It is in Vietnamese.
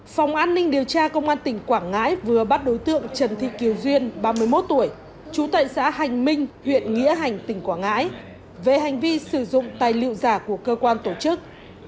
phòng an ninh điều tra công an tỉnh quảng ngãi vừa bắt đối tượng trần thị kiều duyên ba mươi một tuổi trú tại xã hành minh huyện nghĩa hành tỉnh quảng ngãi về hành vi sử dụng tài liệu giả của cơ quan tổ chức